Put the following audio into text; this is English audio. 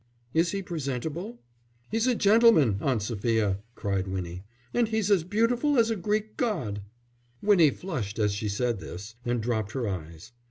"Is he presentable?" "He's a gentleman, Aunt Sophia," cried Winnie. "And he's as beautiful as a Greek god." Winnie flushed as she said this, and dropped her eyes.